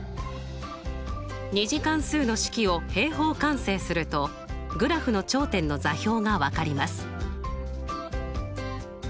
２次関数の式を平方完成するとグラフの頂点の座標が分かります。